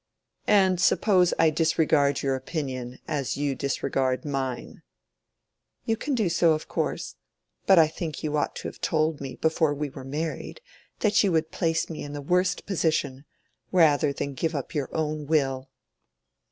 "And suppose I disregard your opinion as you disregard mine?" "You can do so, of course. But I think you ought to have told me before we were married that you would place me in the worst position, rather than give up your own will."